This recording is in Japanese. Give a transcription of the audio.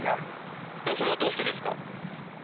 それはどうしてですか？